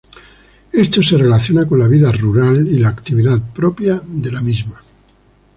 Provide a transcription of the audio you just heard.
Esto se relaciona con la vida rural y la actividad propia de esta.